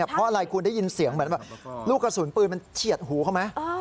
เพราะอะไรคุณได้ยินเสียงเหมือนแบบลูกกระสุนปืนมันเฉียดหูเขาไหม